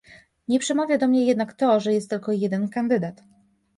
Nie przemawia do mnie jednak to, że jest tylko jeden kandydat